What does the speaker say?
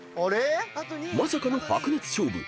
［まさかの白熱勝負。